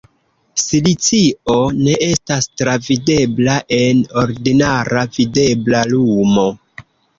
Silicio ne estas travidebla en ordinara videbla lumo.